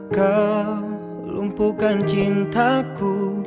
kau lumpuhkan cintaku